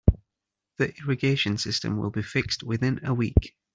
The irrigation system will be fixed within a week.